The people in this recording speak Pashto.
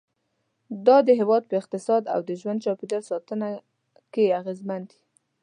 دا د هېواد په اقتصاد او د ژوند چاپېریال ساتنه کې اغیزمن دي.